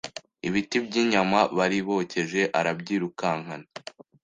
ibiti by' inyama bari bokeje arabyirukankana